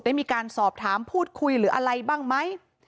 ได้มีการสอบถามพูดคุยหรืออะไรบ้างไหม